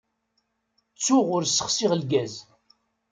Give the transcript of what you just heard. Ttuɣ ur ssexsiɣ lgaz.